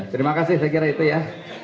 terima kasih saya kira itu ya